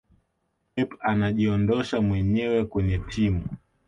pep anajiondosha mwenyewe kwenye timu